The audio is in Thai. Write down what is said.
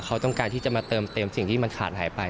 เขาต้องการที่จะมาเติมเต็มสิ่งที่มันขาดหายไป